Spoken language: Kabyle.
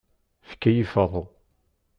Tkeyyfeḍ.